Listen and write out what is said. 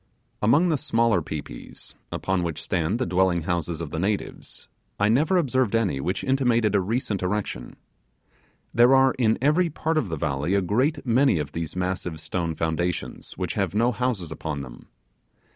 Among the smaller pi pis, upon which stand the dwelling houses of the natives, I never observed any which intimated a recent erection. There are in every part of the valley a great many of these massive stone foundations which have no houses upon them.